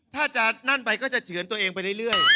ถ้าจะนั่นไปก็จะเฉือนตัวเองไปเรื่อย